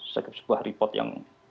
sebuah report yang